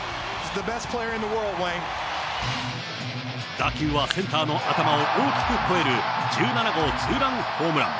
打球はセンターの頭を大きく越える１７号ツーランホームラン。